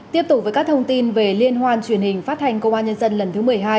tiếp tục với các thông tin về liên hoan truyền hình phát thanh công an nhân dân lần thứ một mươi hai